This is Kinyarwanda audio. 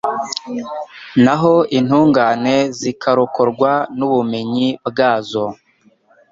naho intungane zikarokorwa n’ubumenyi bwazo